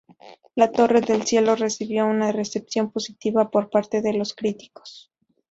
La Torre del Cielo recibió una recepción positiva por parte de los críticos.